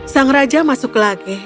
sang raja masuk lagi